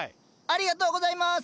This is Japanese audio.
ありがとうございます！